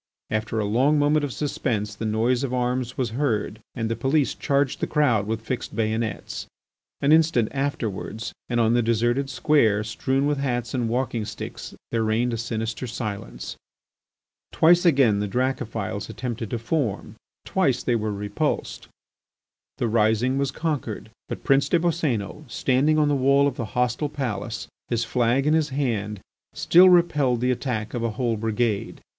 After a long moment of suspense the noise of arms was heard, and the police charged the crowd with fixed bayonets. An instant afterwards and on the deserted square strewn with hats and walking sticks there reigned a sinister silence. Twice again the Dracophils attempted to form, twice they were repulsed. The rising was conquered. But Prince des Boscénos, standing on the wall of the hostile palace, his flag in his hand, still repelled the attack of a whole brigade.